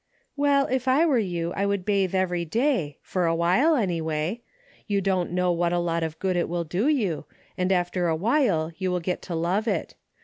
"Well, if I were you I would bathe every day, for a while anyway. You don't know what a lot of good it will do you, and after a while you Avill get to love it.